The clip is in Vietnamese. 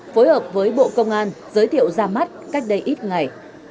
phối hợp với bộ công an giới thiệu ra mắt cách đây ít ngày